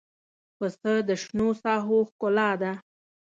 پسه د شنو ساحو ښکلا ده.